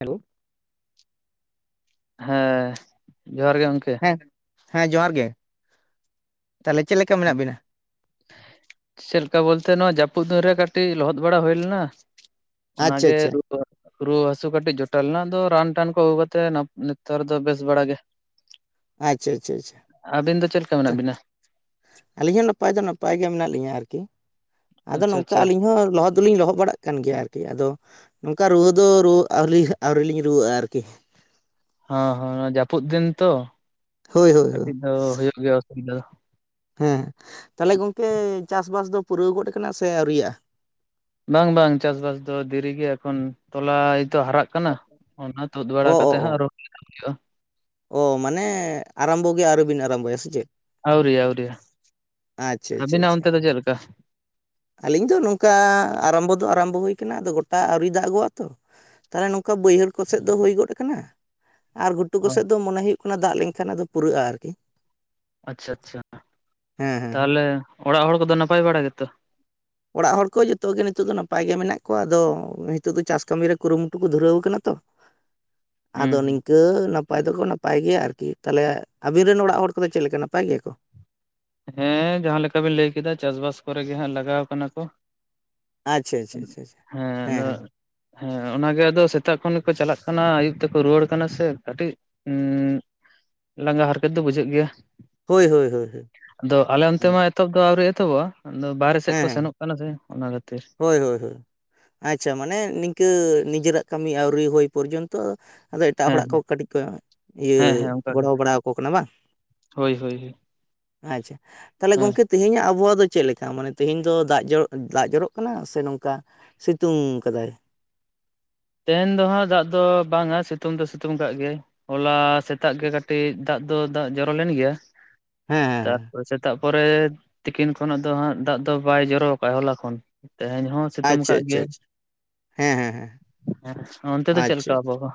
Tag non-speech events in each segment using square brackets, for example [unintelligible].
Hello. ᱦᱮᱸ ᱡᱚᱦᱟᱨ ᱜᱮ ᱜᱚᱝᱠᱮ᱾ ᱮᱸ ᱦᱮᱸ ᱡᱚᱦᱟᱨ ᱜᱮ ᱛᱟᱦᱞᱮ ᱪᱮᱫ ᱞᱮᱠᱟ ᱢᱮᱱᱟᱜ ᱵᱤᱱᱟ? ᱪᱮᱜ ᱞᱮᱠᱟ ᱵᱚᱞᱛᱮ ᱱᱚᱣᱟ ᱡᱟᱹᱯᱩᱫ ᱫᱤᱱ ᱨᱮ ᱠᱟᱹᱴᱤᱡ ᱞᱚᱦᱚᱫ ᱵᱟᱲᱟ ᱦᱩᱭ ᱞᱮᱱᱟ ᱟᱪᱪᱷᱟ ᱚᱱᱟᱜᱮ ᱟᱪᱪᱷᱟ ᱨᱩᱣᱟᱹᱼᱼ ᱨᱩᱣᱟᱹ ᱦᱟᱹᱥᱩ ᱠᱟᱹᱴᱤᱡ ᱡᱚᱴᱟᱣ ᱞᱮᱱᱟ ᱟᱫᱚ ᱨᱟᱱ-ᱴᱟᱱ ᱠᱚ ᱟᱹᱜᱩ ᱠᱟᱛᱮᱜ ᱱᱮᱛᱟᱨ ᱫᱚ ᱵᱮᱥ ᱵᱟᱲᱟ ᱜᱮ᱾ ᱟᱪᱪᱷᱟ ᱟᱪᱪᱷᱟ ᱟᱪᱪᱷᱟ ᱟᱹᱵᱤᱱ ᱫᱚ ᱪᱮᱫ ᱞᱮᱠᱟ ᱢᱮᱱᱟᱜ ᱪᱟᱦ, ᱵᱤᱱᱟ ᱟᱹᱞᱤᱧ ᱦᱚᱸ ᱱᱟᱯᱟᱭ ᱫᱚ ᱱᱟᱯᱟᱭ ᱜᱮ ᱢᱮᱱᱟᱜ ᱞᱤᱧᱟᱹ ᱟᱨᱠᱤ ᱟᱫᱚ ᱟᱪᱪᱷᱟ ᱱᱚᱝᱠᱟ ᱟᱪᱪᱷᱟ ᱟᱹᱞᱤᱧ ᱦᱚᱸ ᱞᱚᱦᱚᱫᱼᱼ ᱫᱩᱞᱤᱧ ᱞᱚᱦᱚᱜ ᱵᱟᱲᱟᱜ ᱠᱟᱱ ᱜᱮᱭᱟ ᱟᱨᱠᱤ ᱟᱫᱚ ᱱᱚᱝᱠᱟ ᱨᱩᱣᱟᱹ ᱫᱚ ᱨᱩᱣᱟᱹ ᱫᱚ ᱟᱹᱣᱨᱤ ᱟᱹᱣᱨᱤ ᱞᱤᱧ ᱨᱩᱣᱟᱹᱜᱼᱟ ᱟᱨᱠᱤ᱾ ᱦᱟᱸ ᱦᱟᱸ ᱡᱟᱯᱩᱫ ᱫᱤᱱ ᱛᱚ᱾ ᱦᱳᱭ ᱦᱳᱭ ᱦᱚᱭ, ᱟᱫᱚ ᱦᱩᱭᱩᱜ ᱜᱮᱭᱟ ᱚᱥᱩᱵᱤᱫᱷᱟ ᱫᱚ᱾ ᱦᱮᱸ ᱛᱟᱦᱞᱮ ᱜᱚᱝᱠᱮ ᱪᱟᱥ-ᱵᱟᱥ ᱫᱚ ᱯᱩᱨᱟᱹᱣ ᱜᱚᱫ ᱟᱠᱟᱱᱟ ᱥᱮ ᱟᱹᱣᱨᱤᱭᱟᱜ-ᱟ? ᱵᱟᱝ ᱵᱟᱝ ᱪᱟᱥ-ᱵᱟᱥ ᱫᱚ ᱫᱮᱨᱤ ᱜᱮᱭᱟ ᱮᱠᱷᱚᱱ ᱛᱚᱞᱟ ᱮᱭᱛᱚ ᱦᱟᱨᱟᱜ ᱠᱟᱱᱟ, ᱚᱱᱟ ᱛᱩᱫ ᱵᱟᱲᱟ ᱚ ᱚ ᱠᱟᱛᱮ ᱚ ᱦᱟᱸᱜ ᱨᱚᱦᱚᱭ ᱦᱩᱭᱩᱜ-ᱟ᱾ ᱚ ᱢᱟᱱᱮ ᱟᱨᱟᱢᱵᱚ ᱜᱮ ᱟᱹᱣᱨᱤ ᱵᱤᱱ ᱟᱨᱟᱢᱵᱚᱭᱟ ᱥᱮ ᱪᱮᱫ? ᱟᱹᱣᱨᱤ ᱟᱹᱣᱨᱤᱭᱟ, ᱟᱪᱪᱷᱟ ᱟᱪᱪᱷᱟ ᱟᱹᱵᱤᱱᱟᱜ ᱟᱪᱪᱷᱟ ᱚᱱᱛᱮ ᱫᱚ ᱪᱮᱫ ᱞᱮᱠᱟ? ᱟᱹᱞᱤᱧ ᱫᱚ ᱱᱚᱝᱠᱟ ᱟᱨᱟᱢᱵᱚ ᱫᱚ ᱟᱨᱟᱢᱵᱚ ᱦᱩᱭ ᱠᱟᱱᱟ ᱟᱫᱚ ᱜᱚᱴᱟ ᱟᱹᱣᱨᱤ ᱫᱟᱜᱚᱜ-ᱟ ᱛᱚ᱾ ᱛᱟᱦᱞᱮ ᱱᱚᱝᱠᱟ ᱵᱟᱹᱭᱦᱟᱹᱲ ᱠᱚᱥᱮᱫ ᱫᱚ ᱦᱩᱭ ᱜᱚᱫ ᱠᱟᱱᱟ᱾ ᱟᱨ ᱜᱷᱩᱴᱩ ᱚ ᱠᱚᱥᱮᱜ ᱫᱚ ᱢᱚᱱᱮ ᱦᱩᱭᱩᱜ ᱠᱟᱱᱟ ᱫᱟᱜ ᱞᱮᱱᱠᱷᱟᱱ ᱟᱫᱚ ᱯᱩᱨᱟᱹᱜ-ᱟ ᱟᱨᱠᱤ᱾ ᱟᱪᱪᱷᱟ ᱟᱪᱪᱷᱟ ᱦᱮᱸ ᱦᱮᱸ ᱦᱮᱸ ᱛᱟᱦᱞᱮ ᱚᱲᱟᱜ ᱦᱚᱲ ᱠᱚᱫᱚ ᱱᱟᱯᱟᱭ ᱵᱟᱲᱟ ᱜᱮᱛᱚ? ᱚᱲᱟᱜ ᱦᱚᱲ ᱠᱚ ᱡᱚᱛᱚ ᱜᱮ ᱱᱤᱛᱚᱜ ᱫᱚ ᱱᱟᱯᱟᱭ ᱜᱮ ᱢᱮᱱᱟᱜ ᱠᱚᱣᱟ ᱟᱫᱚ ᱱᱤᱛᱚᱜ ᱫᱚ ᱪᱟᱥ ᱠᱟᱹᱢᱤ ᱨᱮ ᱠᱩᱨᱩᱢᱩᱴᱩ ᱠᱚ ᱫᱷᱩᱨᱟᱹᱣ ᱠᱟᱱᱟ ᱛᱚ᱾ [inaudible] ᱦᱩᱸ ᱟᱫᱚ ᱦᱩᱸ ᱱᱤᱝᱠᱟᱹ ᱱᱟᱯᱟᱭ ᱫᱚᱠᱚ ᱱᱟᱯᱟᱭ ᱜᱮᱭᱟ ᱟᱨᱠᱤ, ᱛᱟᱦᱞᱮ ᱟᱵᱤᱱ ᱨᱮᱱ ᱚᱲᱟᱜ ᱦᱚᱲ ᱠᱚᱫᱚ ᱪᱮᱜ ᱞᱮᱠᱟ ᱱᱟᱯᱟᱭ ᱜᱮᱭᱟ ᱠᱚ? ᱦᱮᱸ ᱡᱟᱦᱟᱸ ᱞᱮᱠᱟᱵᱤᱱ ᱞᱟᱹᱭ ᱠᱮᱫᱟ ᱪᱟᱥ-ᱵᱟᱥ ᱠᱚᱨᱮ ᱜᱮ ᱦᱟᱸᱜ ᱞᱟᱜᱟᱣ ᱠᱟᱱᱟ ᱠᱚ᱾ ᱟᱪᱪᱷᱟ ᱟᱪᱪᱷᱟ ᱦᱩᱸ, ᱟᱪᱪᱷᱟ ᱟᱪᱪᱷᱟ ᱦᱮᱸ ᱟᱫᱚ᱾ ᱦᱮᱸ ᱚᱱᱟᱜᱮ ᱟᱫᱚ ᱥᱮᱛᱟᱜ ᱠᱷᱚᱱ ᱜᱮᱠᱚ ᱪᱟᱞᱟᱜ ᱠᱟᱱᱟ ᱟᱭᱩᱵ ᱛᱮᱠᱚ ᱨᱩᱣᱟᱹᱲ ᱠᱟᱱᱟ ᱥᱮ ᱠᱟᱹᱴᱤᱡ᱾ ᱩᱸ [inaudible] ᱞᱟᱸᱜᱟ ᱦᱟᱨᱠᱮᱛ ᱫᱚ ᱵᱩᱡᱷᱟᱹᱜ ᱜᱮᱭᱟ᱾ ᱦᱳᱭ ᱦᱳᱭ ᱦᱳᱭ ᱦᱳᱭ᱾ ᱟᱫᱚ ᱟᱞᱮ ᱚᱱᱛᱮ ᱦᱮᱸ ᱢᱟ ᱮᱛᱚᱦᱚᱵ ᱫᱚ ᱟᱹᱣᱨᱤ ᱮᱛᱚᱦᱚᱵᱚᱜ-ᱟ ᱟᱫᱚ ᱵᱟᱦᱨᱮ ᱥᱮᱜ ᱦᱮᱸ ᱠᱚ ᱦᱮᱸ ᱥᱮᱱᱚᱜ ᱠᱟᱱᱟ ᱥᱮ ᱚᱱᱟ ᱠᱷᱟᱹᱛᱤᱨ᱾ ᱦᱳᱭ ᱦᱳᱭ ᱦᱳᱭ᱾ ᱟᱪᱪᱷᱟ ᱢᱟᱱᱮ ᱱᱤᱝᱠᱟᱹ ᱱᱤᱡᱮᱨᱟᱜ ᱠᱟᱹᱢᱤ ᱟᱹᱣᱨᱤ ᱦᱩᱭ ᱯᱚᱨᱡᱚᱱᱛᱚ᱾ ᱟᱫᱚ ᱮᱴᱟᱜ ᱦᱮᱸ ᱦᱚᱲᱟᱜ ᱠᱚ ᱦᱮᱸ ᱠᱟᱹᱴᱤᱡ ᱠᱚ ᱤᱭᱟᱹ ᱦᱮᱸ ᱦᱮᱸ ᱚᱱᱠᱟᱜᱮ ᱜᱚᱲᱚ ᱵᱟᱲᱟᱣᱟᱠᱚ ᱠᱟᱱᱟ ᱵᱟᱝ? ᱦᱳᱭ ᱦᱳᱭ ᱟᱪᱪᱷᱟ, ᱛᱟᱦᱞᱮ ᱦᱮᱸ ᱜᱚᱝᱠᱮ ᱛᱤᱦᱤᱧ ᱟᱵᱚᱣᱟᱜ ᱫᱚ ᱪᱮᱫᱞᱮᱠᱟ ᱢᱟᱱᱮ? ᱛᱤᱦᱤᱧ ᱫᱚ ᱫᱟᱜ ᱡᱚᱨᱚᱜ, ᱫᱟᱜ ᱡᱚᱨᱚᱜ ᱠᱟᱱᱟ ᱥᱮ ᱱᱚᱝᱠᱟ ᱥᱤᱛᱩᱝ ᱠᱟᱫᱟᱭ? ᱛᱮᱦᱮᱧ ᱫᱚ ᱦᱟᱸᱜ ᱫᱟᱜ ᱫᱚ ᱵᱟᱝᱟ ᱥᱤᱛᱩᱝ ᱫᱚ ᱥᱤᱛᱩᱝ ᱠᱟᱜ ᱜᱮᱭᱟᱭ᱾ ᱦᱚᱞᱟ ᱥᱮᱛᱟᱜ ᱜᱮ ᱠᱟᱹᱴᱤᱡ ᱫᱟᱜ ᱫᱚ ᱫᱟᱜ ᱡᱚᱨᱚ ᱞᱮᱱ ᱜᱮᱭᱟ, ᱦᱮᱸ ᱦᱮᱸ ᱦᱮᱸ ᱛᱟᱨᱯᱚᱨ ᱥᱮᱛᱟᱜ ᱯᱚᱨᱮ ᱛᱤᱠᱤᱱ ᱠᱷᱚᱱᱟᱜ ᱫᱚ ᱦᱟᱸᱜ ᱫᱟᱜ ᱫᱚ ᱵᱟᱭ ᱡᱚᱨᱚ ᱠᱟᱜ-ᱟ ᱦᱚᱞᱟ ᱠᱷᱚᱱ᱾ ᱛᱮᱦᱮᱧ ᱦᱚᱸ ᱥᱤᱛᱩᱝ ᱟᱪᱪᱷᱟ ᱟᱠᱟᱫ ᱟᱪᱪᱷᱟ ᱜᱮᱭᱟᱭ ᱟᱪᱪᱷᱟ, ᱦᱮᱸ ᱦᱮᱸ ᱦᱮᱸ᱾ ᱦᱮᱸ, ᱚᱱᱛᱮ ᱫᱚ ᱪᱮᱫ ᱟᱪᱪᱷᱟ ᱞᱮᱠᱟ ᱟᱵᱦᱟᱣᱟ?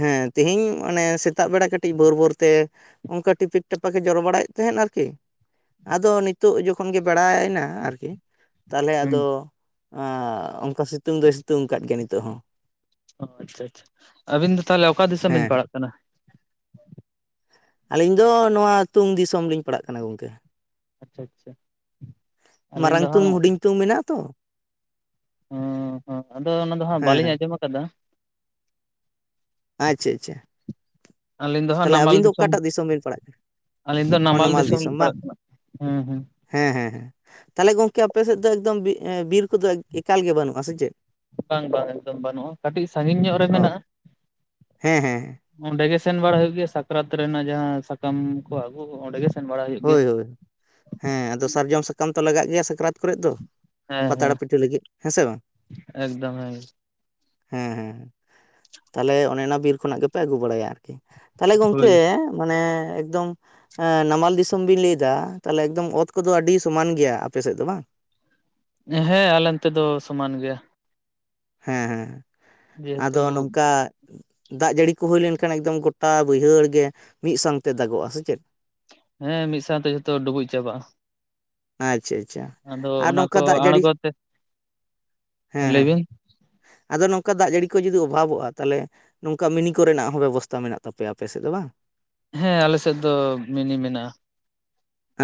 ᱦᱮᱸ ᱛᱤᱦᱤᱧ ᱢᱟᱱᱮ ᱥᱮᱛᱟᱜ ᱵᱮᱲᱟ ᱠᱟᱹᱴᱤᱡ ᱵᱷᱳᱨ ᱵᱷᱳᱨ ᱛᱮ ᱚᱝᱠᱟ ᱴᱤᱯᱤᱠ ᱴᱟᱯᱟᱠᱮ ᱡᱚᱨᱚ ᱵᱟᱲᱟᱭᱮᱫ ᱛᱟᱸᱦᱮᱱ ᱟᱨᱠᱤ᱾ ᱟᱫᱚ ᱱᱤᱛᱳᱜ ᱡᱚᱠᱷᱚᱱ ᱜᱮ ᱵᱮᱲᱟᱭᱱᱟ ᱟᱨᱠᱤ᱾ ᱛᱟᱦᱞᱮ ᱦᱩᱸ ᱟᱫᱚ ᱟᱸᱻ ᱚᱱᱠᱟ ᱥᱤᱛᱩᱝ ᱫᱚᱭ ᱥᱤᱛᱩᱝ ᱠᱟᱫ ᱜᱮᱭᱟ ᱱᱤᱛᱳᱜ ᱦᱚᱸ᱾ ᱚ ᱟᱪᱪᱷᱟ ᱟᱪᱪᱷᱟ, ᱟᱹᱵᱤᱱ ᱫᱚ ᱛᱟᱦᱞᱮ ᱚᱠᱟ ᱫᱤᱥᱚᱢ ᱵᱤᱱ ᱦᱮᱸ ᱯᱟᱲᱟᱜ ᱠᱟᱱᱟ? ᱟᱹᱞᱤᱧ ᱫᱚ ᱱᱚᱣᱟ ᱛᱩᱝ ᱫᱤᱥᱚᱢ ᱞᱤᱧ ᱯᱟᱲᱟᱜ ᱠᱟᱱᱟ ᱜᱚᱝᱠᱮ᱾ ᱟᱪᱪᱷᱟ ᱟᱪᱪᱷᱟ ᱟᱹᱞᱤᱧ ᱢᱟᱨᱟᱝ ᱫᱚ ᱛᱩᱝ ᱦᱟᱸᱜ ᱦᱩᱰᱤᱧ ᱛᱩᱝ ᱢᱮᱱᱟᱜ-ᱟ ᱛᱚ᱾ ᱦᱩᱸ ᱦᱩᱸ, ᱟᱫᱚ ᱚᱱᱟ ᱫᱚ ᱦᱟᱸᱜ ᱦᱮᱸ ᱵᱟᱹᱞᱤᱧ ᱦᱮᱸ ᱟᱸᱡᱚᱢ ᱠᱟᱫᱟ᱾ ᱟᱪᱪᱷᱟ ᱟᱪᱪᱷᱟ᱾ ᱟᱹᱞᱤᱧ ᱫᱚ ᱦᱟᱸᱜ ᱛᱟᱦᱚᱞᱮ ᱱᱟᱢᱟᱞ ᱟᱹᱵᱤᱱ ᱫᱚ ᱫᱤᱥᱚᱢ᱾ ᱚᱠᱟᱴᱟᱜ ᱵᱤᱱ ᱯᱟᱲᱟᱜ ᱠᱟᱱᱟ ᱟᱹᱞᱤᱧ ᱫᱚ ᱱᱟᱢᱟᱞ ᱦᱚᱱᱚᱢᱟᱞ ᱫᱤᱥᱚᱢ ᱞᱤᱧ ᱵᱟᱝ ᱯᱟᱲᱟᱜ ᱠᱟᱱᱟ ᱦᱩᱸ ᱦᱩᱸ᱾ ᱦᱮᱸ ᱦᱮᱸ ᱦᱮᱸ, ᱛᱟᱦᱚᱞᱮ ᱜᱚᱝᱠᱮ ᱟᱯᱮ ᱥᱮᱫ ᱫᱚ ᱮᱠᱫᱚᱢ ᱵᱤᱨ ᱠᱚᱫᱚ ᱮᱠᱟᱞ ᱜᱮ ᱵᱟᱹᱱᱩᱜ-ᱟ ᱥᱮ ᱪᱮᱫ? ᱵᱟᱝ ᱵᱟᱝ ᱮᱠᱫᱚᱢ ᱵᱟᱹᱱᱩᱜ-ᱟ ᱠᱟᱹᱴᱤᱡ ᱥᱟᱜᱤᱧ ᱧᱚᱜ ᱨᱮ ᱚ ᱢᱮᱱᱟᱜ-ᱟ᱾ ᱦᱮᱸ ᱦᱮᱸ ᱚᱸᱰᱮ ᱜᱮ ᱥᱮᱱ ᱵᱟᱲᱟ ᱦᱩᱭᱩᱜ ᱜᱮᱭᱟ ᱥᱟᱠᱨᱟᱛ ᱨᱮᱱᱟᱜ ᱡᱟᱦᱟᱸ ᱥᱟᱠᱟᱢ ᱠᱚ ᱟᱹᱜᱩ ᱦᱚ ᱚᱸᱰᱮ ᱜᱮ᱾ ᱥᱮᱱ ᱵᱟᱲᱟ ᱦᱩᱭᱩᱜ ᱜᱮᱭᱟ ᱦᱳᱭ ᱦᱳᱭ, ᱦᱮᱸ ᱟᱫᱚ ᱥᱟᱨᱡᱚᱢ ᱥᱟᱠᱟᱢ ᱛᱚ ᱞᱟᱜᱟᱜ ᱜᱮᱭᱟ ᱥᱟᱠᱨᱟᱛ ᱠᱚᱨᱮ ᱫᱚ᱾ ᱦᱮᱸ ᱦᱮᱸ ᱯᱟᱛᱲᱟ ᱯᱤᱴᱷᱟᱹ ᱞᱟᱹᱜᱤᱫ ᱦᱮᱸ ᱥᱮ ᱵᱟᱝ? ᱮᱠᱫᱚᱢ ᱦᱮᱸ ᱦᱮᱸ ᱦᱮᱸ ᱛᱟᱦᱚᱞᱮ ᱚᱱᱮ ᱚᱱᱟ ᱵᱤᱨ ᱠᱷᱚᱱᱟᱜ ᱜᱮᱯᱮ ᱟᱹᱜᱩ ᱵᱟᱲᱟᱭᱟ ᱟᱨᱠᱤ ᱛᱟᱦᱚᱞᱮ ᱜᱚᱝᱠᱮ ᱦᱳᱭ ᱢᱟᱱᱮ ᱮᱠᱫᱚᱢ ᱱᱟᱢᱟᱞ ᱫᱤᱥᱚᱢ ᱫᱤᱥᱚᱢ ᱵᱤᱱ ᱞᱟᱹᱭ ᱮᱫᱟ ᱛᱟᱦᱚᱞᱮ ᱮᱠᱫᱚᱢ ᱚᱛ ᱠᱚᱫᱚ ᱟᱹᱰᱤ ᱥᱚᱢᱟᱱ ᱜᱮᱭᱟ ᱟᱯᱮ ᱥᱮᱫ ᱫᱚ ᱵᱟᱝ᱾ ᱦᱮᱸ ᱟᱞᱮ ᱚᱱᱛᱮ ᱫᱚ ᱥᱚᱢᱟᱱ ᱜᱮᱭᱟ᱾ ᱦᱮᱸ ᱦᱮᱸ ᱡᱮᱦᱮᱛᱩ ᱟᱫᱚ ᱱᱚᱝᱠᱟ ᱫᱟᱜ ᱡᱟᱹᱲᱤ ᱠᱚ ᱦᱩᱭ ᱞᱮᱱᱠᱷᱟᱱ ᱮᱠᱫᱚᱢ ᱜᱚᱴᱟ ᱵᱟᱹᱭᱦᱟᱹᱲ ᱜᱮ ᱢᱤᱫ ᱥᱟᱶᱛᱮ ᱫᱟᱜᱚᱜᱼᱟ ᱥᱮ ᱪᱮᱫ? ᱦᱮᱸ ᱢᱤᱫ ᱥᱟᱶᱛᱮ ᱡᱷᱚᱛᱚ ᱰᱩᱵᱩᱡᱽ ᱪᱟᱵᱟᱜᱼᱟ᱾ ᱟᱪᱪᱷᱟ ᱟᱪᱪᱷᱟ ᱟᱫᱚ ᱟᱨ ᱚᱱᱟ ᱱᱚᱝᱠᱟ ᱠᱚ ᱫᱟᱜ ᱡᱟᱹᱲᱤ ᱟᱬᱜᱚ ᱛᱮ ᱦᱮᱸ ᱦᱮᱸ, ᱞᱟᱹᱭᱵᱤᱱ ᱟᱫᱚ ᱱᱚᱝᱠᱟ ᱫᱟᱜ ᱡᱟᱹᱲᱤ ᱠᱚ ᱡᱩᱫᱤ ᱚᱵᱷᱟᱵᱚᱜᱼᱟ ᱛᱟᱦᱚᱞᱮ ᱱᱚᱝᱠᱟ ᱢᱤᱱᱤ ᱠᱚᱨᱮᱱᱟᱜ ᱦᱚᱸ ᱵᱮᱵᱚᱥᱛᱷᱟ ᱢᱮᱱᱟᱜ ᱛᱟᱯᱮᱭᱟ ᱟᱯᱮ ᱥᱮᱫ ᱫᱚ ᱵᱟᱝ? ᱦᱮᱸ ᱟᱞᱮ ᱥᱮᱫ ᱫᱚ ᱢᱤᱱᱤ ᱢᱮᱱᱟᱜᱼᱟ,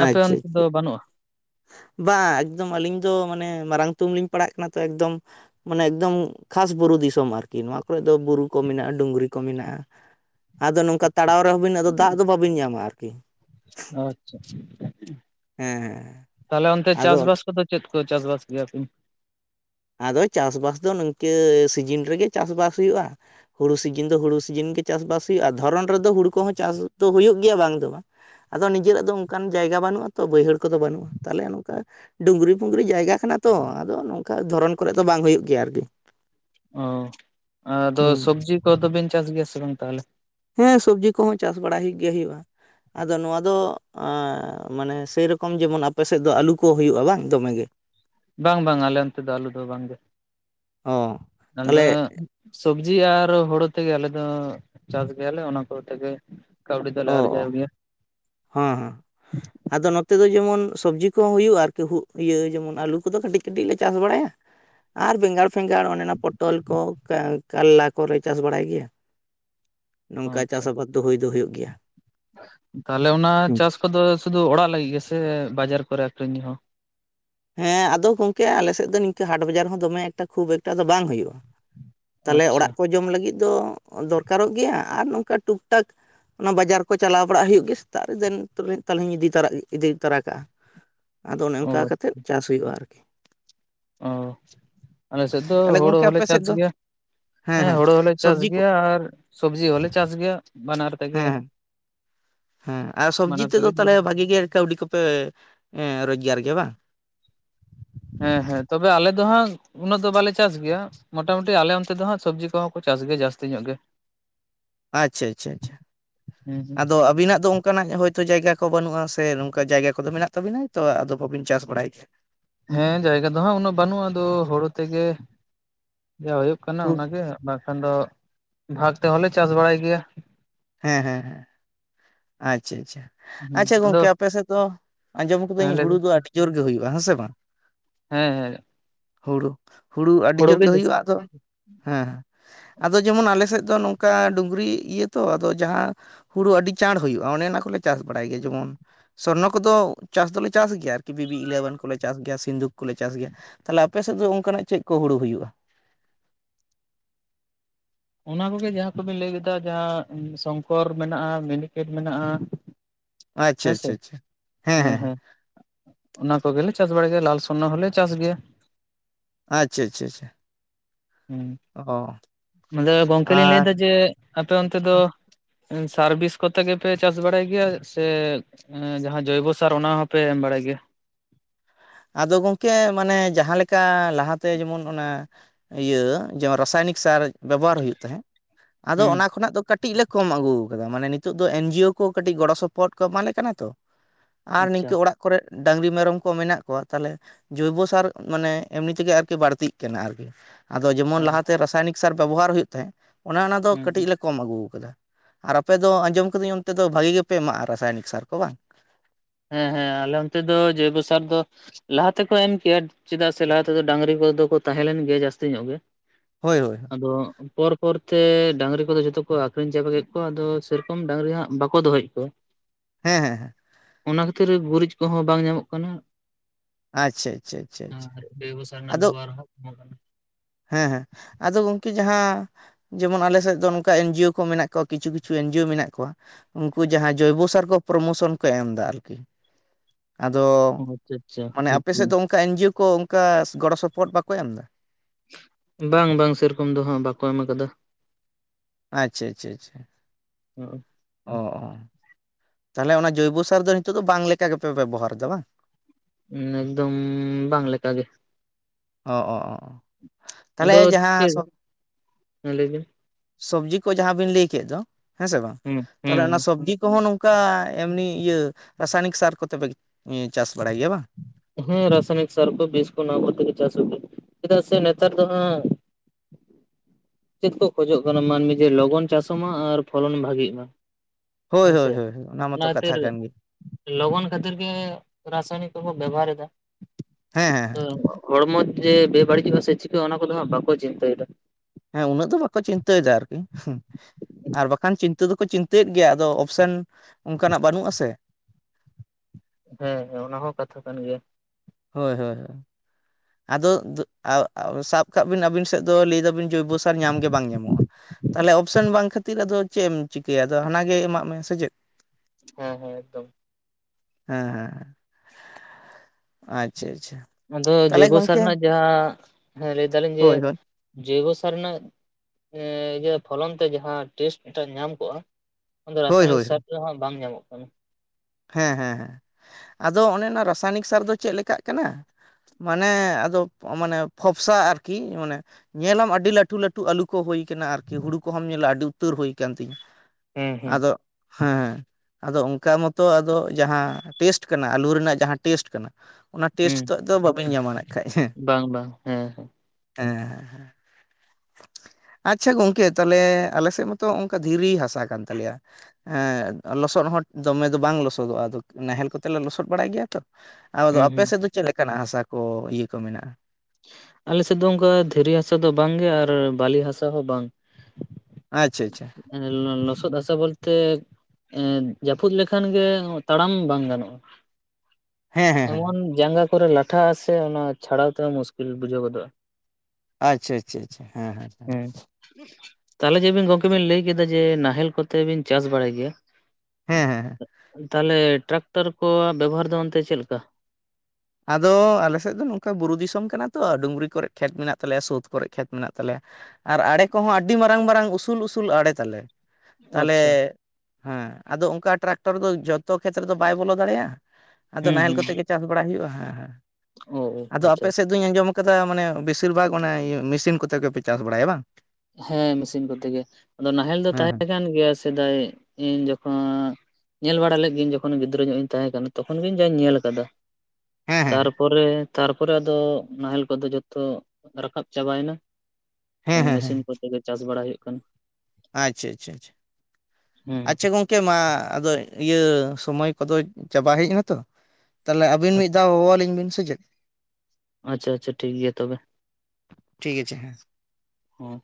ᱟᱯᱮ ᱚᱱᱛᱮ ᱫᱚ ᱵᱟᱹᱱᱩᱜᱼᱟ? ᱵᱟ ᱮᱠᱫᱚᱢ ᱟᱞᱤᱧ ᱫᱚ ᱢᱟᱱᱮ ᱢᱟᱨᱟᱝ ᱛᱩᱝ ᱞᱤᱧ ᱯᱟᱲᱟᱜ ᱠᱟᱱᱟ ᱛᱚ ᱮᱠᱫᱚᱢ, ᱢᱟᱱᱮ ᱮᱠᱫᱚᱢ ᱠᱷᱟᱥ ᱵᱩᱨᱩ ᱫᱤᱥᱚᱢ ᱟᱨᱠᱤ ᱱᱚᱣᱟ ᱠᱚᱨᱮ ᱫᱚ ᱵᱩᱨᱩ ᱠᱚ ᱢᱮᱱᱟᱜᱼᱟ ᱰᱩᱝᱨᱤ ᱠᱚ ᱢᱮᱱᱟᱜᱼᱟ᱾ ᱟᱫᱚ ᱱᱚᱝᱠᱟ ᱛᱟᱲᱟᱣ ᱨᱮᱦᱚᱸᱵᱤᱱ ᱟᱫᱚ ᱫᱟᱜ ᱫᱚ ᱵᱟᱹᱵᱤᱱ ᱧᱟᱢᱟ ᱟᱨᱠᱤ᱾ ᱟᱪᱪᱷᱟ ᱦᱮᱸ ᱦᱮᱸ ᱛᱟᱦᱚᱞᱮ ᱚᱱᱛᱮ ᱟᱫᱚ ᱪᱟᱥᱵᱟᱥ ᱠᱚᱫᱚ ᱪᱮᱫ ᱠᱚ ᱪᱟᱥᱵᱟᱥ ᱜᱮᱭᱟᱵᱤᱱ? ᱟᱫᱚ ᱪᱟᱥᱵᱟᱥ ᱫᱚ ᱱᱤᱝᱠᱟᱹ ᱥᱤᱡᱤᱱ ᱨᱮᱜᱮ ᱪᱟᱥᱵᱟᱥ ᱦᱩᱭᱩᱜ-ᱟ᱾ ᱦᱩᱲᱩ ᱥᱤᱡᱤᱱ ᱫᱚ ᱦᱩᱲᱩ ᱥᱤᱡᱤᱱ ᱜᱮ ᱪᱟᱥᱵᱟᱥ ᱦᱩᱭᱩᱜᱼᱟ ᱫᱷᱚᱨᱚᱱ ᱨᱮᱫᱚ ᱦᱩᱲᱩ ᱠᱚᱦᱚᱸ ᱪᱟᱥ ᱫᱚ ᱦᱩᱭᱩᱜ ᱜᱮᱭᱟ ᱵᱟᱝ ᱫᱚ ᱵᱟᱝ᱾ ᱟᱫᱚ ᱱᱤᱡᱮᱨᱟᱜ ᱫᱚ ᱚᱱᱠᱟᱱ ᱡᱟᱭᱜᱟ ᱵᱟᱹᱱᱩᱜ ᱟ ᱛᱚ ᱵᱟᱹᱭᱦᱟᱹᱲ ᱠᱚᱫᱚ ᱵᱟᱹᱱᱩᱜᱼᱟ ᱛᱟᱦᱚᱞᱮ ᱚᱱᱠᱟ ᱰᱩᱝᱨᱤ ᱯᱩᱝᱨᱤ ᱡᱟᱭᱜᱟ ᱠᱟᱱᱟ ᱛᱚ ᱟᱫᱚ ᱱᱚᱝᱠᱟ ᱫᱷᱚᱨᱚᱱ ᱠᱚᱨᱮ ᱫᱚ ᱵᱟᱝ ᱦᱩᱭᱩᱜ ᱜᱮᱭᱟ ᱟᱨᱠᱤ᱾ ᱚ ᱟᱫᱚ ᱦᱩᱸ ᱥᱚᱵᱡᱤ ᱠᱚᱫᱚ ᱵᱤᱱ ᱪᱟᱥ ᱜᱮᱭᱟ ᱥᱮ ᱵᱟᱝ ᱛᱟᱦᱚᱞᱮ? ᱦᱮᱸ ᱥᱚᱵᱡᱤ ᱠᱚᱦᱚᱸ ᱪᱟᱥ ᱵᱟᱲᱟ ᱜᱮ ᱦᱩᱭᱩᱜᱼᱟ ᱟᱫᱚ ᱱᱚᱣᱟ ᱫᱚ ᱢᱟᱱᱮ ᱥᱮᱭ ᱨᱚᱠᱚᱢ ᱡᱮᱢᱚᱱ ᱟᱯᱮ ᱥᱮᱫ ᱫᱚ ᱟᱹᱞᱩ ᱠᱚ ᱦᱩᱭᱩᱜᱼᱟ ᱵᱟᱝ ᱫᱚᱢᱮ ᱜᱮ, ᱵᱟᱝ ᱵᱟᱝ ᱟᱞᱮ ᱚᱱᱛᱮ ᱫᱚ ᱟᱞᱩ ᱫᱚ ᱵᱟᱝ ᱜᱮ, ᱚ ᱟᱫᱚ ᱛᱟᱦᱚᱞᱮ ᱥᱚᱵᱽᱡᱤ ᱟᱨ ᱦᱩᱲᱩ ᱛᱮᱜᱮ ᱟᱞᱮ ᱫᱚ ᱪᱟᱥ ᱜᱮᱭᱟᱞᱮ ᱚᱱᱟ ᱠᱚ ᱛᱮᱜᱮ ᱠᱟᱹᱣᱰᱤ ᱫᱚᱞᱮ ᱚ ᱚ ᱟᱨᱡᱟᱣ ᱜᱤᱭᱟ᱾ [inaudible] ᱟᱫᱚ ᱱᱚᱛᱮ ᱫᱚ ᱡᱮᱢᱚᱱ ᱥᱚᱵᱽᱡᱤ ᱠᱚᱦᱚᱸ ᱦᱩᱭᱩᱜᱼᱟ ᱟᱨᱠᱤ ᱤᱭᱟᱹ ᱡᱮᱢᱚᱱ ᱟᱹᱞᱩ ᱠᱚᱫᱚ ᱠᱟᱹᱴᱤᱡ ᱠᱟᱹᱴᱤᱡ ᱞᱮ ᱪᱟᱥ ᱵᱟᱲᱟᱭᱟ᱾ ᱟᱨ ᱵᱮᱸᱜᱟᱲ ᱯᱷᱮᱜᱟᱲ ᱚᱸᱱᱮ ᱚᱱᱟ ᱯᱚᱴᱚᱞ ᱠᱚ ᱠᱟᱞᱞᱟ ᱠᱚᱞᱮ ᱪᱟᱥ ᱵᱟᱲᱟᱭ ᱜᱮᱭᱟ ᱱᱚᱝᱠᱟ ᱪᱟᱥ ᱟᱵᱟᱫᱽ ᱫᱚ ᱦᱩᱭ ᱫᱚ ᱦᱩᱭᱳᱜ ᱜᱮᱭᱟ᱾ ᱛᱟᱦᱞᱮ ᱚᱱᱟ ᱦᱩᱸ ᱪᱟᱥ ᱠᱚᱫᱚ ᱥᱩᱫᱩ ᱚᱲᱟᱜ ᱞᱟᱹᱜᱤᱫ ᱜᱮᱥᱮ ᱵᱟᱡᱟᱨ ᱠᱚᱨᱮ ᱟᱠᱷᱨᱤᱧ ᱦᱚᱸ? ᱦᱮᱸ ᱟᱫᱚ ᱜᱚᱢᱠᱮ ᱟᱞᱮ ᱥᱮᱫ ᱫᱚ ᱱᱤᱝᱠᱟᱹ ᱦᱟᱴ ᱵᱟᱡᱟᱨ ᱦᱚᱸ ᱫᱚᱢᱮ ᱮᱠᱴᱟ ᱠᱷᱩᱵ ᱮᱠᱴᱟ ᱫᱚ ᱵᱟᱝ ᱦᱩᱭᱩᱜ-ᱟ᱾ ᱛᱟᱦᱚᱞᱮ ᱚᱲᱟᱜ ᱟᱪᱪᱷᱟ ᱠᱚ ᱡᱚᱢ ᱞᱟᱹᱜᱤᱫ ᱫᱚ ᱫᱚᱨᱠᱟᱨᱚᱜ ᱜᱮᱭᱟ ᱟᱨ ᱱᱚᱝᱠᱟ ᱴᱩᱠ ᱴᱟᱠ ᱚᱱᱟ ᱵᱟᱡᱟᱨ ᱠᱚ ᱪᱟᱞᱟᱣ ᱵᱟᱲᱟᱜ ᱦᱩᱭᱩᱜ ᱜᱮᱭᱟ ᱥᱮᱛᱟᱜ ᱨᱮ ᱫᱮᱱ ᱛᱟᱦᱚᱞᱮᱧ ᱤᱫᱤ ᱛᱟᱨᱟ ᱤᱫᱤ ᱛᱚᱨᱟ ᱠᱟᱜ-ᱟ ᱟᱫᱚ ᱚᱱᱮ ᱚᱱᱠᱟ ᱚ ᱠᱟᱛᱮᱫ ᱪᱟᱥ ᱦᱩᱭᱩᱜ-ᱟ ᱟᱨᱠᱤ᱾ ᱚ ᱟᱞᱮ ᱥᱮᱫ ᱫᱚ ᱛᱟᱦᱚᱞᱮ ᱦᱩᱲᱩ ᱜᱚᱝᱠᱮ ᱦᱚᱸᱞᱮ ᱟᱯᱮ ᱥᱮᱫ ᱪᱟᱥ ᱫᱚ ᱜᱮᱭᱟ ᱦᱮᱸ ᱦᱩᱲᱩ ᱦᱚᱸᱞᱮ ᱪᱟᱥ ᱜᱮᱭᱟ ᱟᱨ ᱥᱚᱵᱡᱤ ᱦᱚᱞᱮ ᱪᱟᱥ ᱜᱮᱭᱟ ᱵᱟᱱᱟᱨ ᱦᱮᱸ ᱛᱮᱜᱮ ᱦᱮᱸ ᱦᱮᱸ ᱟᱨ ᱥᱚᱵᱡᱤ ᱵᱟᱱᱟᱨ ᱛᱮᱫᱚ ᱛᱮᱜᱮ ᱛᱟᱦᱚᱞᱮ ᱵᱷᱟᱜᱤ ᱜᱮ ᱠᱟᱹᱣᱰᱤ ᱠᱚᱯᱮ ᱮᱸ ᱨᱳᱡᱽᱜᱟᱨ ᱜᱮᱭᱟ ᱵᱟᱝ ᱦᱮᱸ ᱦᱮᱸ ᱛᱚᱵᱮ ᱟᱞᱮ ᱫᱚ ᱦᱟᱸᱜ ᱩᱱᱟᱹᱜ ᱫᱚ ᱵᱟᱞᱮ ᱪᱟᱥ ᱜᱮᱭᱟ ᱢᱚᱴᱟᱢᱩᱴᱤ ᱟᱞᱮ ᱚᱱᱛᱮ ᱫᱚ ᱦᱟᱸᱜ ᱥᱚᱵᱽᱡᱤ ᱠᱚᱦᱚᱸ ᱠᱚ ᱪᱟᱥ ᱜᱮᱭᱟ ᱡᱟᱹᱥᱛᱤ ᱧᱚᱜ ᱜᱮ [unintelligible] ᱟᱪᱪᱷᱟ ᱟᱪᱪᱷᱟ ᱟᱪᱪᱷᱟ ᱦᱩᱸ ᱦᱩᱸ ᱟᱫᱚ ᱟᱹᱵᱤᱱᱟᱜ ᱫᱚ ᱚᱱᱠᱟᱱᱟᱜ ᱦᱳᱭᱛᱳ ᱡᱟᱭᱜᱟ ᱠᱚ ᱵᱟᱹᱱᱩᱜ-ᱟ ᱥᱮ ᱚᱱᱠᱟ ᱡᱟᱭᱜᱟ ᱠᱚᱫᱚ ᱢᱮᱱᱟᱜ ᱛᱟᱵᱤᱱᱟ ᱛᱚ ᱟᱫᱚ ᱵᱟᱵᱤᱱ ᱪᱟᱥ ᱵᱟᱲᱟᱭ ᱜᱮᱭᱟ ᱦᱮᱸ ᱡᱟᱭᱜᱟ ᱫᱚ ᱦᱟᱸᱜ ᱩᱱᱟᱹᱜ ᱵᱟᱹᱱᱩᱜ-ᱟ ᱟᱫᱚ ᱦᱩᱲᱩ ᱛᱮᱜᱮ ᱡᱟ ᱦᱩᱭᱩᱜ ᱠᱟᱱᱟ ᱚᱱᱟᱜᱮ ᱵᱟᱠᱷᱟᱱ ᱫᱚ ᱵᱷᱟᱜᱽ ᱛᱮᱦᱚᱸᱞᱮ ᱪᱟᱥ ᱵᱟᱲᱟᱭ ᱜᱮᱭᱟ᱾ ᱦᱮᱸ ᱦᱮᱸ ᱟᱪᱪᱷᱟ ᱟᱪᱪᱷᱟ᱾ ᱦᱩᱸ ᱟᱪᱪᱷᱟ ᱟᱫᱚ ᱜᱚᱢᱠᱮ ᱟᱯᱮ ᱥᱮᱫ ᱫᱚ ᱟᱸᱡᱚᱢ ᱟᱠᱟᱫᱟ. ᱦᱮᱸ ᱧ ᱞᱟᱹᱭ ᱦᱩᱲᱩ ᱵᱤᱱ ᱫᱚ ᱟᱹᱰᱤ ᱡᱳᱨ ᱜᱮ ᱦᱩᱭᱩᱜᱼᱟ ᱦᱮᱸ ᱥᱮ ᱵᱟᱝ ᱦᱮᱸ ᱦᱮᱸ ᱦᱩᱲᱩ ᱦᱩᱲᱩ ᱟᱹᱰᱤ ᱦᱳᱲᱳ ᱡᱳᱨ ᱜᱮ ᱡᱟᱹᱥᱛᱤ ᱦᱩᱭᱩᱜᱼᱟ ᱟᱫᱚ᱾ ᱦᱮᱸᱸ ᱟᱫᱚ ᱡᱮᱢᱚᱱ ᱟᱞᱮ ᱥᱮᱫ ᱫᱚ ᱱᱚᱝᱠᱟ ᱰᱩ ᱜᱩᱨᱤᱡ ᱤᱭᱟᱹ ᱛᱚ ᱟᱫᱚ ᱡᱟᱦᱟᱸ ᱦᱩᱲᱩ ᱟᱹᱰᱤ ᱪᱟᱬ ᱦᱩᱭᱩᱜᱼᱟ ᱚᱱᱮ ᱚᱱᱟ ᱠᱚᱞᱮ ᱪᱟᱥ ᱵᱟᱲᱟᱭ ᱜᱮᱭᱟ ᱡᱮᱢᱚᱱ᱾ ᱥᱚᱨᱱᱚ ᱠᱚᱫᱚ ᱪᱟᱥ ᱫᱚᱞᱮ ᱪᱟᱥ ᱜᱮᱭᱟ ᱟᱨᱠᱤ ᱵᱤᱵᱤ ᱤᱞᱮᱵᱷᱮᱱ ᱠᱚᱞᱮ ᱪᱟᱥ ᱜᱮᱭᱟ ᱥᱤᱱᱫᱩᱠ ᱠᱚᱞᱮ ᱪᱟᱥ ᱜᱮᱭᱟ ᱛᱟᱦᱚᱞᱮ ᱟᱯᱮ ᱥᱮᱫ ᱫᱚ ᱚᱱᱠᱟᱱᱟᱜ ᱪᱮᱫ ᱠᱚ ᱦᱩᱲᱩ ᱦᱩᱭᱩᱜᱼᱟ? ᱚᱱᱟ ᱠᱚᱜᱮ ᱡᱟᱦᱟᱸ ᱠᱚᱵᱤᱱ ᱞᱟᱹᱭ ᱠᱮᱫᱟ ᱡᱟᱦᱟᱸ ᱥᱚᱝᱠᱚᱨ ᱢᱮᱱᱟᱜᱼᱟ ᱢᱤᱱᱤᱯᱮᱠ ᱢᱮᱱᱟᱜᱼᱟ ᱟᱪᱪᱷᱟ ᱦᱮᱸ ᱥᱮ ᱟᱪᱪᱷᱟ ᱟᱪᱪᱷᱟ ᱦᱮᱸ ᱦᱮᱸ ᱚᱱᱟ ᱠᱚᱜᱮᱞᱮ ᱪᱟᱥ ᱵᱟᱲᱟᱭ ᱜᱮᱭᱟ ᱞᱟᱞ ᱥᱚᱨᱱᱚ ᱦᱚᱞᱮ ᱪᱟᱥ ᱜᱮᱭᱟ᱾ ᱟᱪᱪᱷᱟ ᱟᱪᱪᱷᱟ ᱟᱪᱪᱷᱟ᱾ ᱦᱩᱸ ᱚᱻ ᱢᱟᱫᱚ ᱜᱚᱝᱠᱮ ᱞᱤᱧ ᱞᱟᱹᱭ ᱮᱫᱟ ᱡᱮ ᱟᱯᱮ ᱚᱱᱛᱮ ᱫᱚ ᱥᱟᱨᱵᱷᱤᱥ ᱠᱚᱛᱮ ᱜᱮᱯᱮ ᱪᱟᱥ ᱵᱟᱲᱟᱭ ᱜᱮᱭᱟ ᱥᱮ ᱡᱟᱦᱟᱸ ᱡᱚᱭᱵᱳᱥᱟᱨ ᱚᱱᱟ ᱦᱚᱸᱯᱮ ᱮᱢ ᱵᱟᱲᱟᱭ ᱜᱮᱭᱟ᱾ ᱟᱫᱚ ᱜᱚᱢᱠᱮ ᱢᱟᱱᱮ ᱡᱟᱦᱟᱸ ᱞᱮᱠᱟ ᱞᱟᱦᱟᱛᱮ ᱡᱮᱢᱚᱱ ᱚᱱᱟ ᱤᱭᱟᱹ ᱡᱮᱢᱚᱱ ᱨᱟᱥᱟᱭᱱᱤᱠ ᱥᱟᱨ ᱵᱮᱵᱚᱦᱟᱨ ᱦᱩᱭᱩᱜ ᱛᱟᱦᱮᱸᱫ ᱟᱫᱚ ᱦᱩᱸ ᱚᱱᱟ ᱠᱷᱚᱱᱟᱜ ᱫᱚ ᱠᱟᱹᱴᱤᱡ ᱞᱮ ᱠᱚᱢ ᱟᱹᱜᱩ ᱟᱠᱟᱫᱟ ᱢᱟᱱᱮ ᱱᱤᱛᱚᱜ ᱫᱚ ᱮᱱᱡᱤᱭᱳ ᱠᱚ ᱠᱟᱹᱴᱤᱡ ᱜᱚᱲᱚ ᱥᱚᱯᱚᱦᱚᱫ ᱠᱚ ᱮᱢᱟᱞᱮ ᱠᱟᱱᱟ ᱛᱚ ᱟᱨ ᱟᱪᱪᱷᱟ ᱱᱤᱝᱠᱟᱹ ᱚᱲᱟᱜ ᱠᱚᱨᱮ ᱰᱟᱝᱨᱤ ᱢᱮᱨᱚᱢ ᱠᱚ ᱢᱮᱱᱟᱜ᱾ ᱠᱚᱣᱟ ᱛᱟᱦᱚᱞᱮ ᱡᱳᱭᱵᱚ ᱥᱟᱨ ᱢᱟᱱᱮ ᱮᱢᱱᱤ ᱛᱮᱜᱮ ᱟᱨᱠᱤ ᱵᱟᱹᱲᱛᱤᱜ ᱠᱟᱱᱟ ᱟᱨᱠᱤ᱾ ᱟᱫᱚ ᱡᱮᱢᱚᱱ ᱦᱮᱸ ᱞᱟᱦᱟᱛᱮ ᱨᱟᱥᱟᱭᱱᱤᱠ ᱥᱟᱨ ᱵᱮᱵᱚᱦᱟᱨ ᱦᱩᱭᱩᱜ ᱛᱟᱦᱮᱸᱜ ᱚᱱᱮ ᱚᱱᱟ ᱫᱚ ᱠᱟᱹᱴᱤᱡ ᱦᱮᱸ ᱞᱮ ᱠᱚᱢ ᱟᱹᱜᱩ ᱟᱠᱟᱫᱟ᱾ ᱟᱨ ᱟᱯᱮ ᱫᱚ ᱟᱸᱡᱚᱢ ᱠᱟᱹᱫᱟᱹᱧ ᱚᱱᱛᱮ ᱫᱚ ᱵᱷᱟᱹᱜᱤ ᱜᱮᱯᱮ ᱮᱢᱟᱜᱼᱟ ᱨᱟᱥᱟᱭᱱᱤᱠ ᱥᱟᱨ ᱠᱚ ᱵᱟᱝ? ᱦᱮᱸ ᱦᱮᱸ ᱟᱞᱮ ᱚᱱᱛᱮ ᱫᱚ ᱡᱚᱭᱵᱚᱥᱟᱨ ᱫᱚ᱾ ᱞᱟᱦᱟ ᱛᱮᱠᱚ ᱮᱢ ᱠᱮᱭᱟ ᱪᱮᱫᱟᱜ ᱥᱮ ᱞᱟᱦᱟ ᱛᱮᱫᱚ ᱰᱟᱝᱨᱤ ᱠᱚᱫᱚ ᱠᱚ ᱛᱟᱦᱮᱸ ᱞᱮᱱ ᱜᱮᱭᱟ ᱡᱟᱹᱥᱛᱤ ᱧᱚᱜ ᱜᱮ᱾ ᱦᱳᱭ ᱦᱳᱭ ᱟᱫᱚ ᱯᱚᱨ ᱯᱚᱨᱛᱮ ᱰᱟᱝᱨᱤ ᱠᱚᱫᱚ ᱡᱷᱚᱛᱚ ᱠᱚ ᱟᱠᱷᱨᱤᱧ ᱪᱟᱵᱟ ᱠᱮᱫ ᱠᱚᱣᱟ, ᱟᱫᱚ ᱥᱮᱨᱚᱠᱚᱢ ᱰᱟᱹᱝᱨᱤ ᱦᱟᱸᱜ ᱵᱟᱠᱚ ᱫᱚᱦᱚᱭᱮᱫ ᱠᱚᱣᱟ᱾ ᱦᱮᱸ ᱦᱮᱸ ᱦᱮᱸ᱾ ᱚᱱᱟ ᱠᱷᱟᱹᱛᱤᱨ ᱜᱩᱨᱤᱪ ᱠᱚᱦᱚᱸ ᱵᱟᱝ ᱧᱟᱢᱚᱜ ᱠᱟᱱᱟ᱾ ᱟᱪᱪᱷᱟ ᱟᱪᱪᱷᱟ ᱟᱪᱷᱟ ᱟᱪᱪᱷᱟ ᱟᱨ ᱵᱮᱵᱚᱥᱟ ᱨᱮᱱᱟᱜ ᱟᱫᱚ [unintelligible] ᱦᱮᱸ ᱦᱮᱸ, ᱟᱫᱚ ᱜᱚᱝᱠᱮ ᱡᱟᱸᱦᱟ ᱡᱮᱢᱚᱱ ᱟᱞᱮ ᱥᱮᱫ ᱫᱚ ᱚᱱᱠᱟ ᱮᱱᱡᱤᱭᱳ ᱠᱚ ᱢᱮᱱᱟᱜ ᱠᱚᱣᱟ ᱠᱤᱪᱷᱩ ᱠᱤᱪᱷᱩ ᱮᱱᱡᱤᱭᱳ ᱢᱮᱱᱟᱜ ᱠᱚᱣᱟ᱾ ᱩᱱᱠᱩ ᱡᱟᱦᱟᱸ ᱡᱳᱭᱵᱚ ᱥᱟᱨ ᱠᱚ ᱯᱨᱳᱢᱳᱥᱚᱱ ᱠᱚ ᱮᱢᱫᱟ ᱟᱨᱠᱤ᱾ ᱟᱫᱚ ᱚ ᱟᱪᱪᱷᱟ ᱟᱪᱪᱷᱟ ᱢᱟᱱᱮ ᱟᱯᱮ ᱥᱮᱫ ᱫᱚ ᱚᱱᱠᱟ ᱮᱱᱡᱤᱭᱳ ᱠᱚ ᱚᱱᱠᱟ ᱜᱚᱲᱚ ᱥᱚᱯᱚᱦᱚᱫ ᱵᱟᱠᱚ ᱮᱢ ᱮᱫᱟ? ᱵᱟᱝ ᱵᱟᱝ ᱥᱮᱨᱚᱠᱚᱢ ᱫᱚ ᱦᱟᱸᱜ ᱵᱟᱠᱚ ᱮᱢ ᱠᱟᱫᱟ᱾ ᱟᱪᱪᱷᱟ ᱟᱪᱪᱷᱟ ᱟᱪᱪᱷᱟ᱾ [unintelligible] ᱚ ᱚ᱾ ᱛᱟᱦᱚᱞᱮ ᱚᱱᱟ ᱡᱚᱭᱵᱚ ᱥᱟᱨ ᱫᱚ ᱱᱤᱛᱚᱜ ᱫᱚ ᱵᱟᱝ ᱞᱮᱠᱟ ᱜᱮᱯᱮ ᱵᱮᱵᱚᱦᱟᱨᱮᱫᱟ ᱵᱟᱝ᱾ ᱮᱠᱫᱚᱢ ᱵᱟᱝ ᱞᱮᱠᱟ ᱜᱮ᱾ ᱚ ᱚ ᱚ ᱚ ᱛᱟᱦᱚᱞᱮ ᱟᱫᱚ ᱡᱟᱦᱟᱸ ᱪᱮᱫ ᱥᱚᱨ ᱞᱟᱹᱭ ᱵᱤᱱ ᱥᱚᱵᱽᱡᱤ ᱠᱚ ᱡᱟᱦᱟᱸ ᱵᱤᱱ ᱞᱟᱹᱭ ᱠᱮᱫ ᱫᱚ ᱦᱮᱸ ᱥᱮ ᱵᱟᱝ ᱦᱩᱸ ᱛᱟᱦᱞᱮ ᱚᱱᱟ ᱦᱩᱸ ᱥᱚᱵᱽᱡᱤ ᱠᱚᱦᱚᱸ ᱱᱚᱜ ᱚᱱᱠᱟ ᱮᱢᱱᱤ ᱤᱭᱟᱹ ᱨᱟᱥᱟᱭᱱᱤᱠ ᱥᱟᱨ ᱠᱚᱛᱮ ᱯᱮ ᱪᱟᱥ ᱵᱟᱲᱟᱭ ᱜᱮᱭᱟ ᱵᱟᱝ᱾ ᱦᱮᱸ ᱨᱟᱥᱟᱭᱱᱤᱠ ᱥᱟᱨ ᱠᱚ ᱵᱤᱥ ᱠᱚ ᱱᱚᱣᱟ ᱠᱚᱛᱮ ᱜᱮ ᱪᱟᱥ [unintelligible] ᱪᱮᱫᱟᱜ ᱥᱮ ᱱᱮᱛᱟᱨ ᱫᱚ ᱦᱟᱸᱜ᱾ ᱪᱮᱫ ᱠᱚ ᱠᱷᱚᱡᱚᱜ ᱠᱟᱱᱟ ᱢᱟᱹᱱᱢᱤ ᱡᱮ ᱞᱚᱜᱚᱱ ᱪᱟᱥᱚᱜ ᱢᱟ ᱟᱨ ᱯᱷᱚᱞᱚᱱ ᱵᱷᱟᱜᱮᱜ ᱢᱟ᱾ ᱦᱳᱭ ᱦᱮᱸᱥᱮ ᱦᱳᱭ ᱦᱳᱭ ᱚᱱᱟ ᱢᱟᱛᱚ ᱠᱟᱛᱷᱟ ᱠᱟᱱ ᱜᱮ᱾ ᱞᱚᱜᱚᱱ ᱠᱷᱟᱹᱛᱤᱨ ᱜᱮ ᱨᱟᱥᱟᱭᱚᱱᱤᱠ ᱠᱚᱠᱚ ᱦᱮᱸ ᱦᱮᱸ ᱵᱮᱵᱷᱟᱨᱮᱫᱟᱛᱟᱹᱣ ᱦᱚᱲᱢᱚ ᱡᱮ ᱵᱮ ᱵᱟᱹᱲᱤᱡᱚᱜᱼᱟ ᱥᱮ ᱪᱤᱠᱟᱹᱜᱼᱟ ᱚᱱᱟ ᱠᱚᱫᱚ ᱦᱟᱸᱜ ᱵᱟᱠᱚ ᱪᱤᱱᱛᱟᱹᱭᱮᱫᱟ᱾ ᱦᱮᱸ ᱩᱱᱟᱹᱜ ᱫᱚ ᱵᱟᱠᱚ ᱪᱤᱱᱛᱟᱹᱭᱮᱫᱟ ᱟᱨᱠᱤ ᱦᱩᱸ ᱟᱨ ᱵᱟᱠᱷᱟᱱ ᱪᱤᱱᱛᱟᱹ ᱫᱚᱠᱚ ᱪᱤᱱᱛᱟᱹᱭᱮᱫ ᱜᱮᱭᱟ ᱟᱫᱚ ᱚᱯᱥᱮᱱ ᱚᱱᱠᱟᱱᱟᱜ ᱵᱟᱹᱱᱩᱜᱼᱟ ᱥᱮ᱾ ᱦᱮᱸ ᱦᱮᱸ ᱚᱱᱟ ᱦᱚᱸ ᱠᱟᱛᱷᱟ ᱠᱟᱱ ᱜᱮᱭᱟ᱾ ᱦᱳᱭ ᱦᱳᱭ ᱦᱳᱭ᱾ ᱟᱫᱚ ᱥᱟᱵ ᱠᱟᱜ ᱵᱤᱱ ᱟᱹᱵᱤᱱ ᱥᱮᱫ ᱫᱚ ᱞᱟᱹᱭ ᱫᱟᱵᱤᱱ ᱡᱳᱭᱵᱚ ᱥᱟᱨ ᱧᱟᱢ ᱜᱮ ᱵᱟᱝ ᱧᱟᱢᱚᱜᱼᱟ᱾ ᱛᱟᱦᱚᱞᱮ ᱚᱯᱥᱮᱱ ᱵᱟᱝ ᱠᱷᱟᱹᱛᱤᱨ ᱟᱫᱚ ᱪᱮᱫ ᱮᱢ ᱪᱤᱠᱟᱹᱭᱟ ᱟᱫᱚ ᱦᱟᱱᱟ ᱜᱮ ᱮᱢᱟᱜ ᱢᱮ ᱥᱮ ᱪᱮᱫ? ᱦᱮᱸ ᱦᱮᱸ ᱮᱠᱫᱚᱢ᱾ ᱦᱮᱸ ᱦᱮᱸ ᱦᱮᱸ ᱾ ᱟᱪᱪᱷᱟ ᱟᱪᱪᱷᱟ᱾ ᱟᱫᱚ ᱛᱟᱦᱚᱞᱮ ᱡᱳᱭᱵᱚ ᱥᱟᱨ ᱜᱚᱝᱠᱮ ᱨᱮᱱᱟᱜ ᱡᱟᱦᱟᱸ ᱦᱮᱸ ᱞᱟᱹᱭ ᱫᱟᱞᱤᱧ ᱡᱮ ᱦᱳᱭ ᱦᱳᱭ ᱡᱳᱭᱵᱚ ᱥᱟᱨ ᱨᱮᱱᱟᱜ ᱮᱸ ᱤᱭᱟᱹ ᱯᱷᱚᱞᱚᱱ ᱛᱮ ᱡᱟᱦᱟᱸ ᱴᱮᱥᱴ ᱴᱟᱜ ᱧᱟᱢ ᱠᱚᱜᱼᱟᱼᱼ ᱚᱱᱟ ᱫᱚ ᱦᱳᱭ ᱨᱟᱥᱟᱭᱱᱤᱠ ᱦᱳᱭ ᱥᱟᱨ ᱨᱮᱫᱚ ᱦᱟᱸᱜ ᱵᱟᱝ ᱧᱟᱢᱚᱜ ᱠᱟᱱᱟ᱾ ᱦᱮᱸ ᱦᱮᱸ ᱦᱮᱸ ᱟᱫᱚ ᱚᱱᱮ ᱚᱱᱟ ᱨᱟᱥᱟᱭᱱᱤᱠ ᱥᱟᱨ ᱫᱚ ᱪᱮᱫ ᱞᱮᱠᱟᱜ ᱠᱟᱱᱟ᱾ ᱢᱟᱱᱮ ᱟᱫᱚ ᱢᱟᱱᱮ ᱯᱷᱚᱯᱥᱟ ᱟᱨᱠᱤ ᱢᱟᱱᱮ ᱧᱮᱞᱟᱢ ᱟᱹᱰᱤ ᱞᱟᱹᱴᱷᱩ ᱞᱟᱹᱴᱷᱩ ᱟᱹᱞᱩ ᱠᱚ ᱦᱩᱭ ᱟᱠᱟᱱᱟ ᱟᱨᱠᱤ ᱦᱩᱲᱩ ᱠᱚᱦᱚᱸᱢ ᱧᱮᱞᱟ ᱟᱹᱰᱤ ᱩᱛᱟᱹᱨ ᱦᱩᱭ ᱟᱠᱟᱱ ᱛᱤᱧᱟ᱾ ᱦᱩᱸ ᱦᱩᱸ ᱟᱫᱚ ᱦᱮᱸ ᱟᱫᱚ ᱚᱱᱠᱟ ᱢᱚ ᱛᱚ ᱟᱫᱚ ᱡᱟᱦᱟᱸ ᱴᱮᱥᱴ ᱠᱟᱱᱟ ᱟᱹᱞᱩ ᱨᱮᱱᱟᱜ ᱡᱟᱦᱟᱸ ᱴᱮᱥᱴ ᱠᱟᱱᱟ᱾ ᱚᱱᱟ ᱴᱮᱥᱴ ᱦᱩᱸ ᱛᱮᱫ ᱫᱚ ᱵᱟᱹᱵᱤᱱ ᱧᱟᱢᱟ ᱱᱟᱜ ᱠᱷᱟᱡ ᱦᱮᱸ ᱵᱟᱝ ᱵᱟᱝ ᱦᱮᱸ ᱦᱮᱸ ᱦᱮᱸ ᱦᱮᱸ᱾ ᱟᱪᱪᱷᱟ ᱜᱚᱝᱠᱮ ᱛᱟᱦᱞᱮ ᱟᱞᱮ ᱥᱮᱫ ᱢᱟᱛᱚ ᱦᱚᱸᱜ ᱱᱚᱝᱠᱟ ᱫᱷᱤᱨᱤ ᱦᱟᱸᱥᱟ ᱠᱟᱱ ᱛᱟᱞᱮᱭᱟ᱾ ᱦᱮᱸ ᱞᱚᱥᱚᱫ ᱦᱚᱸ ᱫᱚᱢᱮ ᱵᱟᱝ ᱞᱚᱥᱚᱫᱚᱜᱼᱟ ᱟᱫᱚ ᱱᱟᱦᱮᱞ ᱠᱚᱛᱮᱞᱮ ᱞᱚᱥᱚᱫ ᱵᱟᱲᱟᱭ ᱜᱮᱭᱟ ᱛᱚ ᱟᱫᱚ ᱦᱩᱸ ᱟᱯᱮ ᱦᱩᱸ ᱥᱮᱫ ᱫᱚ ᱪᱮᱫ ᱞᱮᱠᱟᱱᱟᱜ ᱦᱟᱸᱥᱟ ᱠᱚ ᱤᱭᱟᱹ ᱠᱚ ᱢᱮᱱᱟᱜᱼᱟ᱾ ᱟᱞᱮᱥᱮᱫ ᱫᱚ ᱚᱱᱠᱟ ᱫᱷᱤᱨᱤ ᱦᱟᱸᱥᱟ ᱫᱚ ᱵᱟᱝᱜᱮ ᱟᱨ ᱵᱟᱹᱞᱤ ᱦᱟᱸᱥᱟ ᱦᱚᱸ ᱵᱟᱝ᱾ ᱟᱪᱪᱷᱟ ᱟᱪᱪᱷᱟ᱾ ᱮᱸ ᱞᱚᱻᱚ ᱞᱚᱥᱚᱫ ᱦᱟᱸᱥᱟ ᱵᱚᱞᱛᱮ ᱮᱸ ᱡᱟᱹᱯᱩᱫ ᱞᱮᱠᱷᱟᱱ ᱜᱮ ᱛᱟᱲᱟᱢ ᱵᱟᱝ ᱜᱟᱱᱚᱜᱼᱟ᱾ ᱦᱮᱸ ᱦᱮᱸ ᱦᱮᱸ ᱮᱢᱚᱱ ᱡᱟᱸᱜᱟ ᱠᱚᱨᱮ ᱞᱟᱴᱷᱟᱜ ᱟᱥᱮ ᱚᱱᱟ ᱪᱷᱟᱲᱟᱣ ᱛᱮᱦᱚᱸ ᱢᱩᱥᱠᱤᱞ ᱵᱩᱡᱷᱟᱹᱣ ᱜᱚᱫᱚᱜᱼᱟ᱾ ᱟᱪᱪᱷᱟ ᱟᱪᱪᱷᱟ ᱟᱪᱪᱷᱟ ᱦᱮᱸ ᱦᱮᱸ᱾ ᱛᱟᱦᱞᱮ ᱡᱮ ᱵᱤᱱ ᱜᱚᱝᱠᱮ ᱵᱤᱱ ᱞᱟᱹᱭ ᱠᱮᱫᱟ ᱡᱮ ᱱᱟᱦᱮᱞ ᱠᱚᱛᱮ ᱵᱤᱱ ᱪᱟᱥ ᱵᱟᱲᱟᱭ ᱜᱮᱭᱟ᱾ ᱦᱮᱸ ᱦᱮᱸ ᱛᱟᱦᱞᱮ ᱴᱨᱟᱠᱴᱟᱨ ᱠᱚᱣᱟᱜ ᱵᱮᱵᱚᱦᱟᱨ ᱫᱚ ᱚᱱᱛᱮ ᱪᱮᱫ ᱞᱮᱠᱟ? ᱟᱫᱚ ᱟᱞᱮ ᱥᱮᱫ ᱫᱚ ᱱᱚᱝᱠᱟ ᱵᱩᱨᱩ ᱫᱤᱥᱚᱢ ᱠᱟᱱᱟ ᱛᱚ ᱰᱩᱝᱨᱤ ᱠᱚᱨᱮᱜ ᱠᱷᱮᱛ ᱢᱮᱱᱟᱜ ᱛᱟᱞᱮᱭᱟ ᱥᱳᱛ ᱠᱚᱨᱮᱜ ᱠᱷᱮᱛ ᱢᱮᱱᱟᱜ ᱛᱟᱞᱮᱭᱟ᱾ ᱟᱨ ᱟᱲᱮ ᱠᱚᱦᱚᱸ ᱟᱹᱰᱤ ᱢᱟᱨᱟᱝ ᱢᱟᱨᱟᱝ ᱩᱥᱩᱞ ᱩᱥᱩᱞ ᱟᱲᱮ ᱛᱟᱞᱮ ᱛᱟᱦᱞᱮᱼᱼ ᱟᱪᱪᱷᱟ ᱦᱮᱸ ᱟᱫᱚ ᱚᱱᱠᱟ ᱴᱨᱟᱠᱴᱚᱨ ᱫᱚ ᱡᱷᱚᱛᱚ ᱠᱷᱮᱛ ᱨᱮᱫᱚ ᱵᱟᱭ ᱵᱚᱞᱚ ᱫᱟᱲᱮᱭᱟᱜᱼᱟ ᱟᱫᱚ ᱦᱩᱸ ᱱᱟᱦᱮᱞ ᱦᱩᱸ ᱠᱚᱛᱮ ᱜᱮᱼᱼ ᱪᱟᱥ ᱵᱟᱲᱟᱭ ᱦᱩᱭᱩᱜᱼᱟ ᱦᱮᱸ ᱦᱮᱸ ᱚ ᱟᱫᱚ ᱟᱪᱪᱷᱟ ᱟᱯᱮ ᱥᱮᱫᱼᱼ ᱫᱚᱧ ᱟᱸᱡᱚᱢ ᱠᱟᱫᱟ ᱢᱟᱱᱮ ᱵᱮᱥᱤᱨ ᱵᱷᱟᱜᱽ ᱚᱱᱟ ᱤᱭᱟᱹ ᱢᱮᱥᱤᱱ ᱠᱚᱛᱮ ᱜᱮᱯᱮ ᱪᱟᱥ ᱵᱟᱲᱟᱭᱟ ᱵᱟᱝ? ᱦᱮᱸ ᱢᱮᱥᱤᱱ ᱠᱚᱛᱮᱜᱮ ᱟᱫᱚ ᱱᱟᱦᱮᱞ ᱫᱚ ᱦᱮᱸ ᱛᱟᱦᱮᱸ ᱠᱟᱱ ᱜᱮᱭᱟ ᱥᱮᱫᱟᱭ ᱤᱧ ᱡᱚᱠᱷᱚᱱ᱾ ᱧᱮᱞ ᱵᱟᱲᱟ ᱞᱮᱫ ᱜᱤᱭᱟᱧ ᱡᱚᱠᱷᱚᱱ ᱜᱤᱫᱽᱨᱟᱹ ᱧᱚᱜ ᱤᱧ ᱛᱟᱦᱮᱸ ᱠᱟᱱᱟ ᱛᱚᱠᱷᱚᱱ ᱜᱤᱧ ᱡᱟᱧ ᱧᱮᱞ ᱟᱠᱟᱫᱟ᱾ ᱦᱮᱸ ᱦᱮᱸ ᱦᱮᱸ ᱛᱟᱯᱚᱨᱮ ᱛᱟᱨᱯᱚᱨᱮ ᱟᱫᱚ ᱱᱟᱦᱮᱞ ᱠᱚᱫᱚ ᱡᱚᱛᱚ ᱨᱟᱠᱟᱵ ᱪᱟᱵᱟᱭᱮᱱᱟ᱾ ᱦᱮᱸ ᱦᱮᱸ ᱦᱮᱸ ᱢᱮᱥᱤᱱ ᱠᱚᱛᱮ ᱜᱮ ᱪᱟᱥ ᱵᱟᱲᱟᱭ ᱦᱩᱭᱩᱜ ᱠᱟᱱᱟ᱾ ᱟᱪᱪᱷᱟ ᱟᱪᱪᱷᱟ ᱟᱪᱪᱷᱟ, ᱦᱮᱸ ᱟᱪᱪᱷᱟ ᱜᱚᱝᱼᱼ ᱠᱮ ᱢᱟ ᱟᱫᱚ ᱤᱭᱟᱹ ᱥᱚᱢᱚᱭ ᱠᱚᱫᱚ ᱪᱟᱵᱟ ᱦᱮᱡ ᱮᱱᱟ ᱛᱚ ᱾ ᱛᱟᱦᱚᱞᱮ ᱟᱹᱵᱤᱱ ᱢᱤᱫ ᱫᱷᱟᱣ ᱦᱚᱦᱚ ᱟᱹᱞᱤᱧ ᱵᱤᱱ ᱥᱮ ᱪᱮᱫ? ᱟᱪᱪᱷᱟ ᱟᱪᱪᱷᱟ ᱴᱷᱤᱠ ᱜᱮᱭᱟ ᱛᱚᱵᱮ ᱾ ᱴᱷᱤᱠ ᱟᱪᱷᱮ ᱦᱮᱸ ᱾ ᱦᱚᱸ ᱾